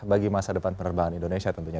bagi masa depan penerbangan indonesia tentunya